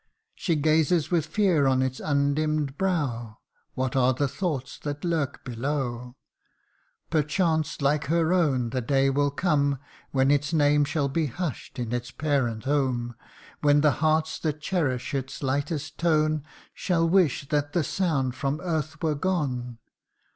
She gazes with fear on its undimm'd brow What are the thoughts that lurk below ? Perchance, like her own, the day will come When its name shall be hush'd in its parent home ; When the hearts that cherish its lightest tone, Shall wish that the sound from earth were gone.